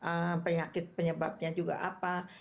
nggak tahu penyakit penyebabnya juga apa